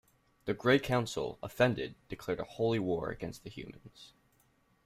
The Grey Council, offended, declared a holy war against the humans.